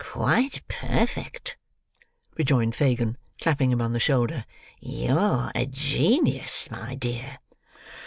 "Quite perfect," rejoined Fagin, clapping him on the shoulder. "You're a genius, my dear."